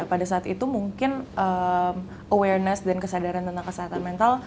pada saat itu mungkin awareness dan kesadaran tentang kesehatan mental